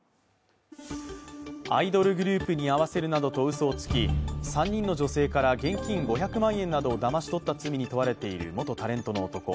アイドルグループに会わせるなどとうそをつき３人の女性から現金５００万円などをだまし取った罪に問われている元タレントの男。